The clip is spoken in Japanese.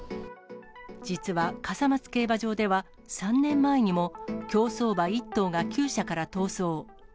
実は笠松競馬場では、３年前にも、競走馬１頭がきゅう舎から逃走。